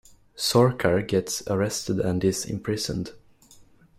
Sarkar gets arrested and is imprisoned.